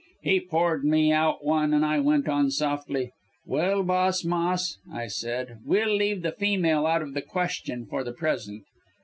"He poured me out one, and I went on softly, 'Well, boss Moss,' I said, 'we'll leave the female out of the question for the present.